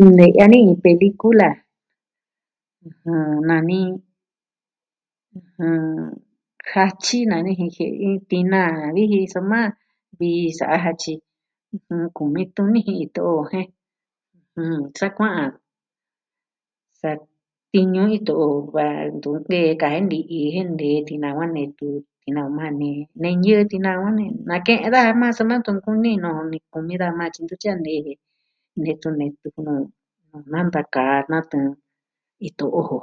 Nne'ya ni iin pelikula ɨjɨn... nani ɨjɨn... Hachi nani ji jie'e iin tina vi ji soma vii sa'a Hachi mmm... kumi tuni ji ito'o jen mmm... sa kua'an sa'a tiñu ito'o va ntu nee kaji ni'i ji jee nɨɨ tina va netu tina maa nee ñɨɨn tina va ni nake'en daja maa soma ntu kuni nuu niku ni da maa tyi ntu ntia'a ne ve netu netu nanta ka natɨɨn ito'o jo.